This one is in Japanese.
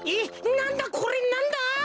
なんだこれなんだ？